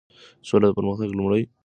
سوله د پرمختګ لومړی شرط دی.